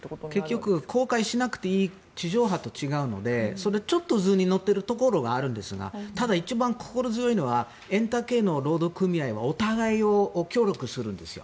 結局、公開しなくていい地上波と違うのでそれ、ちょっと図に乗っているところがあるんですがただ、一番心強いのはエンター系の労働組合はお互いに協力するんですよ。